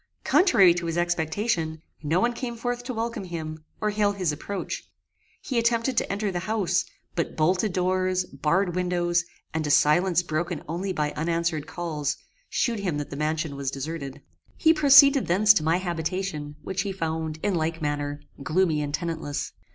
Contrary to his expectation, no one came forth to welcome him, or hail his approach. He attempted to enter the house, but bolted doors, barred windows, and a silence broken only by unanswered calls, shewed him that the mansion was deserted. He proceeded thence to my habitation, which he found, in like manner, gloomy and tenantless.